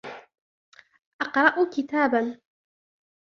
أقرأ كتاباً.